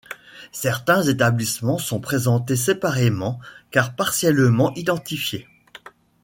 Certains établissements sont présentés séparément, car partiellement identifiés.